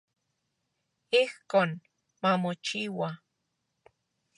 Ijkon mamochiua.